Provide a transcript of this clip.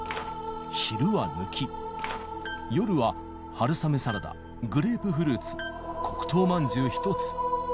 昼は抜き、夜は春雨サラダ、グレープフルーツ、黒糖まんじゅう１つ。